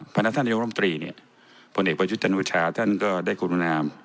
พนักธนตรีนิยมร่วมตรีเนี่ยพ่อเอกประชุชนวชาท่านก็ได้คุณุณา